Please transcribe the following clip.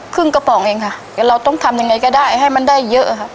กระป๋องเองค่ะแต่เราต้องทำยังไงก็ได้ให้มันได้เยอะค่ะ